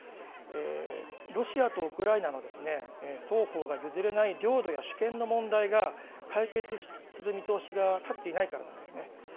ロシアとウクライナの双方が譲れない領土や主権の問題が、解決する見通しが立っていないからなんですね。